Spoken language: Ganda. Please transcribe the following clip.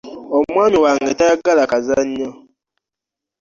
Omwami wange tayagala kazannyo.